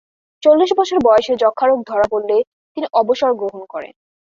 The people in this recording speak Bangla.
চল্লিশ বছর বয়সে যক্ষা রোগ ধরা পড়লে তিনি অবসর গ্রহণ করেন।